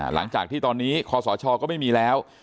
หลังจากที่ตอนนี้คอสชก็ไม่มีแล้ว